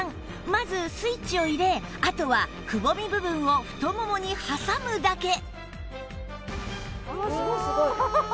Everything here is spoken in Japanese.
まずスイッチを入れあとはくぼみ部分を太ももに挟むだけ